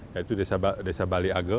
yaitu desa bali aga